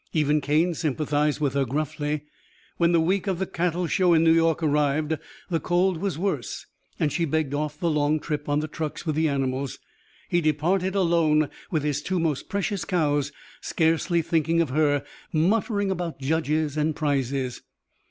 Even Cane sympathized with her gruffly. When the week of the cattle show in New York arrived, the cold was worse and she begged off the long trip on the trucks with the animals. He departed alone with his two most precious cows, scarcely thinking of her, muttering about judges and prizes.